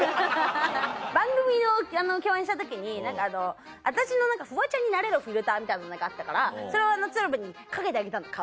番組共演した時に私のフワちゃんになれるフィルターみたいなのがあったからそれを鶴瓶にかけてあげたの顔に。